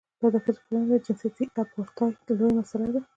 دا د ښځو پر وړاندې د جنسیتي اپارټایډ لویه مسله ده.